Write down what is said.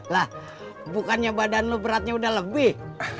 lah bukannya badan lo beratnya udah lebih